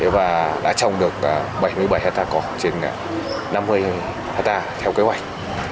và đã trồng được bảy mươi bảy hectare cỏ trên năm mươi hectare theo kế hoạch